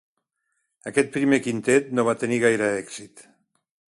Aquest primer quintet no va tenir gaire èxit.